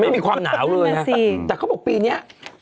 ไม่มีความหนาวเลยนะแต่เขาบอกปีนี้